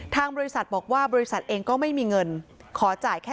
ทางบริษัทบอกว่าบริษัทเองก็ไม่มีเงินขอจ่ายแค่